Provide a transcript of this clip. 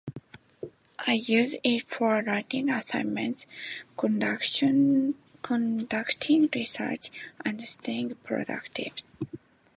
I use it for writing assignments, conducting research, and staying productive.